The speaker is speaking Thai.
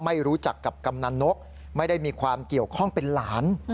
ไม่รู้จักกับกำนันนกไม่ได้มีความเกี่ยวข้องเป็นหลาน